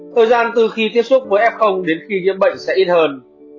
thời gian từ khi tiếp xúc với f đến khi nhiễm bệnh sẽ ít hơn